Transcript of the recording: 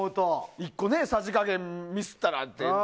１個さじ加減をミスったらね。